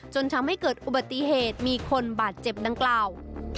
จนทำให้เกิดอุบัติเหตุมีคนบาดเจ็บดังกล่าว